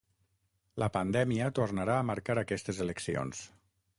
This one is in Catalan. La pandèmia tornarà a marcar aquestes eleccions.